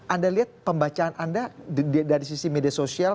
anda lihat pembacaan anda dari sisi media sosial